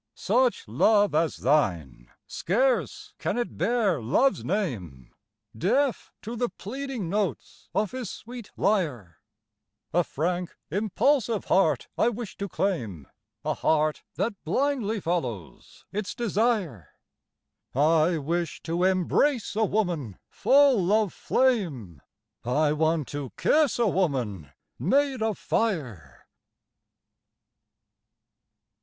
Such love as thine, scarce can it bear love's name, Deaf to the pleading notes of his sweet lyre, A frank, impulsive heart I wish to claim, A heart that blindly follows its desire. I wish to embrace a woman full of flame, I want to kiss a woman made of fire.